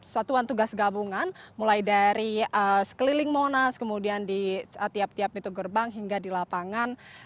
satuan tugas gabungan mulai dari sekeliling monas kemudian di tiap tiap pintu gerbang hingga di lapangan